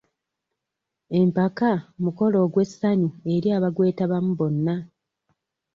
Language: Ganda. Empaka mukolo ogw'essanyu eri abagwetabamu bonna.